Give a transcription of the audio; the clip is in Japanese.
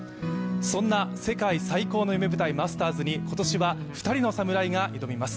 そんな世界最高の夢舞台マスターズに今年は２人の侍が挑みます。